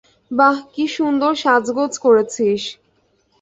বাহ, কী সুন্দর সাজগোজ করেছিস!